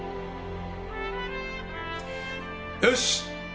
よし！